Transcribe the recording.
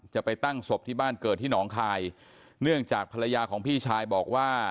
จะไปตั้งศพที่บ้านเกิดที่หนองคายเนื่องจากภรรยาของพี่ชายบอกว่า